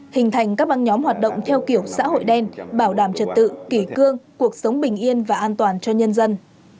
hình thành các băng nhóm hoạt động theo kiểu xã hội đen bảo đảm trật tự kỷ cương cuộc sống bình yên và an toàn cho nhân dân